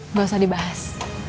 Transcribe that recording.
nggak usah dibahas